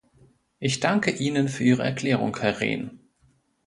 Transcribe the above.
Ich danke Ihnen für Ihre Erklärung, Herr Rehn.